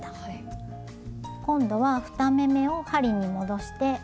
今度は２目めを針に戻して。